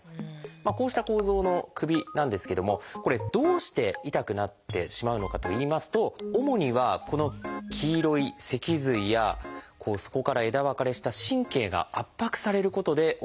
こうした構造の首なんですけどもこれどうして痛くなってしまうのかといいますと主にはこの黄色い脊髄やそこから枝分かれした神経が圧迫されることで起きているんです。